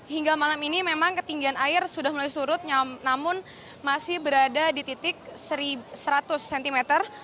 hingga malam ini memang ketinggian air sudah mulai surut namun masih berada di titik seratus cm